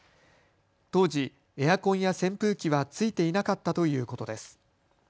当時、エアコンや扇風機はついていなかったということです。